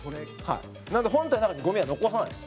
なので、本体の中にゴミは残さないです。